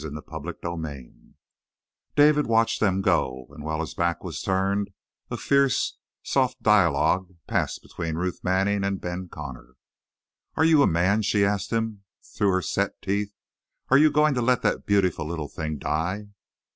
CHAPTER THIRTY ONE David watched them go, and while his back was turned a fierce, soft dialogue passed between Ruth Manning and Ben Connor. "Are you a man?" she asked him, through her set teeth. "Are you going to let that beautiful little thing die?"